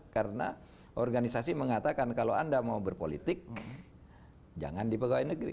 karena organisasi mengatakan kalau anda mau berpolitik jangan di pegawai negeri